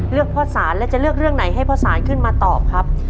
เลือกพ่อสารแล้วจะเลือกเรื่องไหนให้พ่อสารขึ้นมาตอบครับ